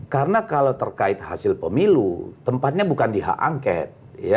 karena kalau terkait hasil pemilu tempatnya bukan di hak angket